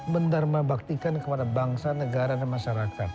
mendarmabaktikan kepada bangsa negara dan masyarakat